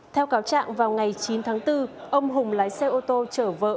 theo cáo trạng vào ngày chín tháng bốn ông hùng lái xe ô tô chở vợ